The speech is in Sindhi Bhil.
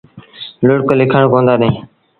لُڙڪ ليٚکڻ ڪوندآ ڏيݩ۔